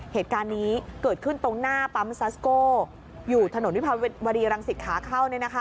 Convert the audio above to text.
เหตุการณ์นี้เกิดขึ้นตรงหน้าปั๊มซัสโก้อยู่ถนนวิภาวรีรังสิตขาเข้า